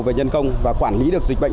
về nhân công và quản lý được dịch bệnh